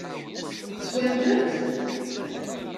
Swant-tent?